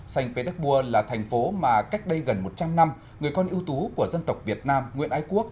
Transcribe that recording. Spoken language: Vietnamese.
sanh pé tec bua là thành phố mà cách đây gần một trăm linh năm người con ưu tú của dân tộc việt nam nguyễn ái quốc